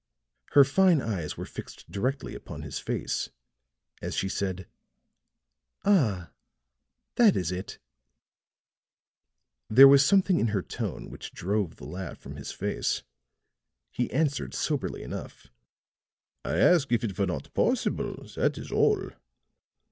Her fine eyes were fixed directly upon his face, as she said: "Ah, that is it." There was something in her tone which drove the laugh from his face; he answered soberly enough. "I ask if it were not possible; that is all."